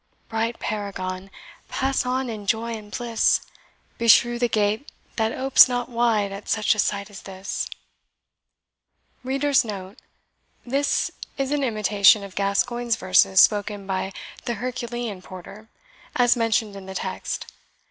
Bright paragon, pass on in joy and bliss; Beshrew the gate that opes not wide at such a sight as this!" [This is an imitation of Gascoigne's verses spoken by the Herculean porter, as mentioned in the text.